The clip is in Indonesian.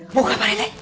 buka pak rete